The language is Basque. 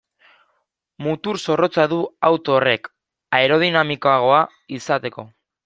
Mutur zorrotza du auto horrek aerodinamikoagoa izateko.